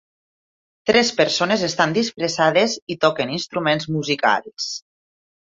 Tres persones estan disfressades i toquen instruments musicals.